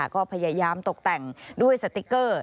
ก็พยายามตกแต่งด้วยสติ๊กเกอร์